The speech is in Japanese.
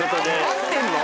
合ってんの！？